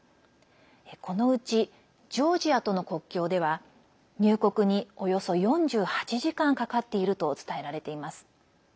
このうちジョージアとの国境では入国におよそ４８時間かかっていると伝えられています。